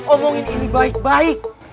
omongin ini baik baik